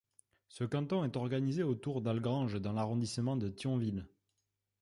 Ce canton est organisé autour d'Algrange dans l'arrondissement de Thionville.